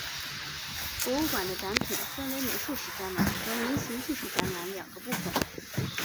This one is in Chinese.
博物馆的展品分为美术史展览和民俗艺术展览两个部分。